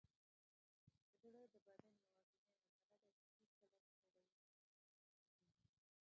زړه د بدن یوازینی عضله ده چې هیڅکله ستړې نه کېږي.